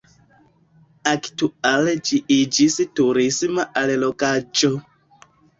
Aktuale ĝi iĝis turisma allogaĵo.